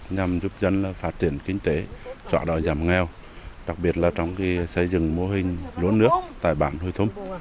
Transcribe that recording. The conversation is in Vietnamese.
nhằm giúp dân phát triển kinh tế xóa đỏ giảm nghèo đặc biệt là trong cái xây dựng mô hình lúa nước tại bản hùi thum